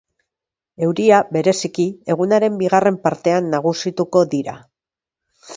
Euria, bereziki, egunaren bigarren partean nagusituko dira.